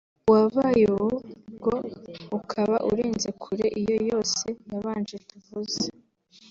uwabaye ubu bwo ukaba urenze kure iyo yose yabanje tuvuze